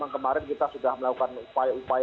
kemarin kita sudah melakukan upaya upaya